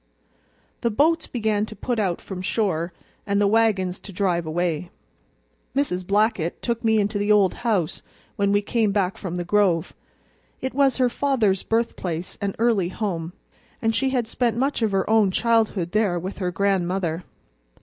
The boats began to put out from shore, and the wagons to drive away. Mrs. Blackett took me into the old house when we came back from the grove: it was her father's birthplace and early home, and she had spent much of her own childhood there with her grandmother.